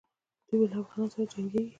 دی به له افغانانو سره جنګیږي.